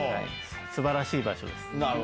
素晴らしい場所です。